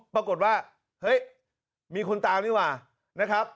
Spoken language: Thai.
ปรากฏว่าเฮ้ยมีคุณตามนี่หว่า